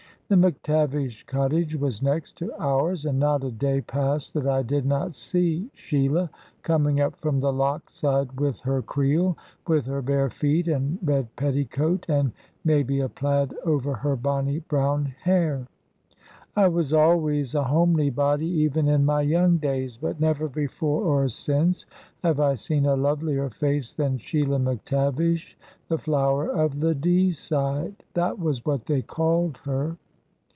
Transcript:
The McTavish cottage was next to ours, and not a day passed that I did not see Sheila coming up from the loch side with her creel, with her bare feet and red petticoat, and maybe a plaid over her bonnie brown hair. I was always a homely body, even in my young days, but never before or since have I seen a lovelier face than Sheila McTavish, 'the Flower of the Deeside' that was what they called her."